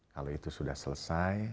kalau itu sudah selesai